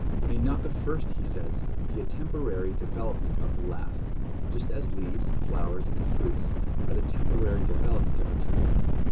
May not the first, he says, "be a temporary development of the last, just as leaves, flowers, and fruits, are the temporary developments of a tree?